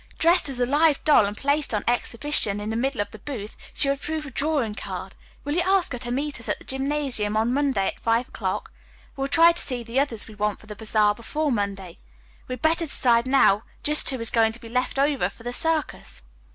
Dressed as a live doll and placed on exhibition in the middle of the booth, she would prove a drawing card. Will you ask her to meet us at the gymnasium on Monday at five o'clock? We will try to see the others we want for the bazaar before Monday. We had better decide now just who is going to be left over for the circus."